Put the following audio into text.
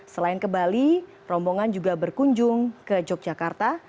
selain ke bali rombongan juga berkunjung ke yogyakarta